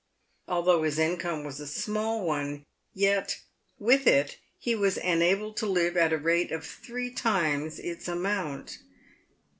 Although his income was a small one, yet with it he was enabled to live at a rate of three times its amount.